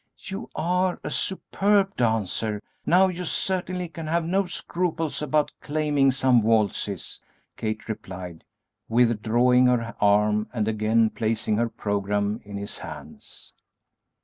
"You are a superb dancer; now you certainly can have no scruples about claiming some waltzes," Kate replied, withdrawing her arm and again placing her programme in his hands.